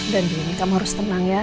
dandi ini kamu harus tenang ya